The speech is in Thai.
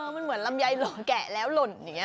อ่อมันเหมือนลำไยเหล่ากะแล้วหล่น